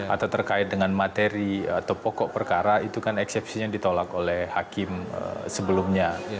atau terkait dengan materi atau pokok perkara itu kan eksepsinya ditolak oleh hakim sebelumnya